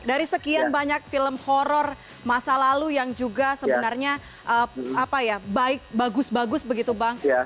dari sekian banyak film horror masa lalu yang juga sebenarnya baik bagus bagus begitu bang